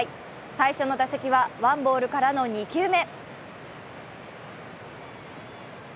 最初の打席はワンボールからの２球目。